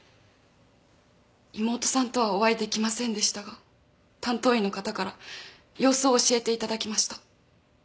妹さんとはお会いできませんでしたが担当医の方から様子を教えていただきました。